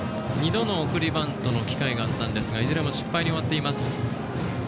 ２度の送りバントの機会があったんですがいずれも失敗に終わっています。